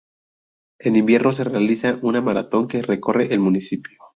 En invierno se realiza una maratón que recorre el municipio.